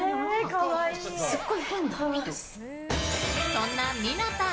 そんな、みなたん。